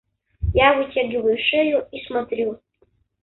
Я вытягиваю шею и смотрю.